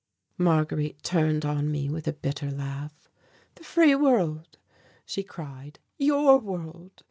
Marguerite turned on me with a bitter laugh. "The free world," she cried, "your world.